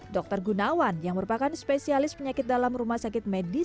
dr gunawan yang merupakan spesialis penyakit dalam rumah sakit medis